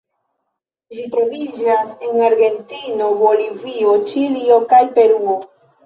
Ĝi troviĝas en Argentino, Bolivio, Ĉilio kaj Peruo.